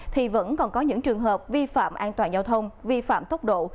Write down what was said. thì vẫn còn có những trường hợp vi phạm an toàn giao thông vi phạm tốc độ